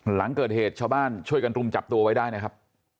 หลังเกิดเหตุชาวบ้านช่วยกันรุมจับตัวไว้ได้นะครับ